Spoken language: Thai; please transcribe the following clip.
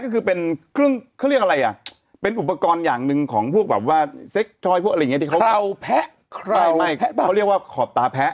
เขาเรียกว่าขอบตาแพะ